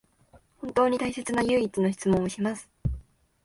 本当に大切な唯一の質問をします